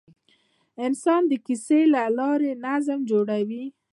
انسان د کیسې له لارې نظم جوړوي.